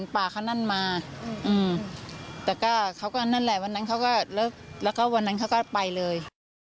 แล้วก็วันนั้นเขาก็ไปเลย